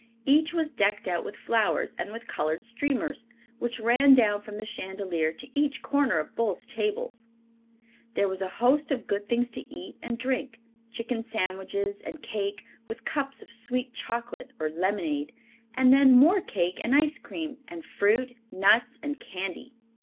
Each was decked out with flowers and with colored streamers, which ran down from the chandelier to each corner of both tables. There was a host of good things to eat and drink chicken sandwiches and cake, with cups of sweet chocolate, or lemonade, and then more cake and ice cream, and fruit, nuts, and candy.